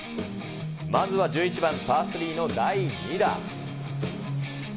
まずは１１番、パースリーの第２打。